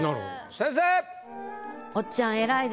先生！